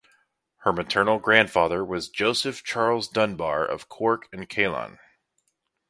Her maternal grandfather was Joseph Charles Dunbar of Cork and Ceylon.